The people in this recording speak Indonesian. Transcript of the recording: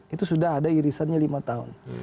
itu sudah ada irisannya lima tahun